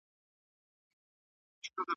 بزګر د خپلې کورنۍ غړو ته د دې پېښې حقیقت بیان کړ.